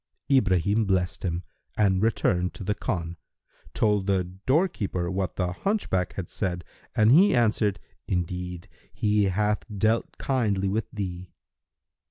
Ibrahim blessed him and returning to the khan, told the doorkeeper what the hunchback had said, and he answered, "Indeed, he hath dealt kindly with thee."